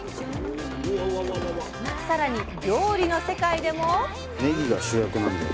更に料理の世界でも。